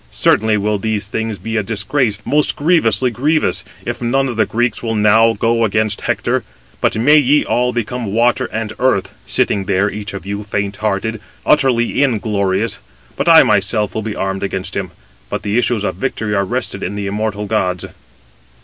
certainly will these things be a disgrace, most grievously grievous, if none of the Greeks will now go against Hector. But may ye all become water and earth, sitting there each of you, faint hearted; utterly inglorious: but I myself will be armed against him. But the issues of victory are rested in the immortal gods."